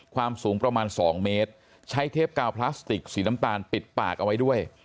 ความสูงประมาณ๒เมตรใช้เทปกาวพลาสติกสีน้ำตาลปิดปากเอาไว้ด้วย